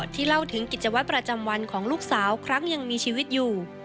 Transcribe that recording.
เล่าถึงกิจวัตรประจำวันของลูกสาวครั้งยังมีชีวิตอยู่